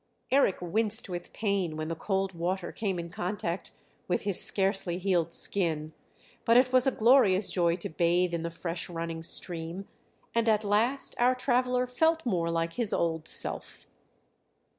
Eric winced with pain when the cold water came in contact with his scarcely healed skin; but it was a glorious joy to bathe in the fresh running stream, and at last our traveller felt more like his old self.